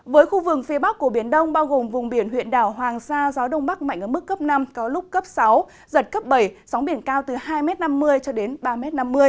với khu vực phía bắc của biển đông bao gồm vùng biển huyện đảo hoàng sa gió đông bắc mạnh ở mức cấp năm có lúc cấp sáu giật cấp bảy sóng biển cao từ hai năm mươi cho đến ba năm mươi m